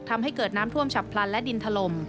ทำให้เกิดน้ำท่วมฉับพลันและดินถล่ม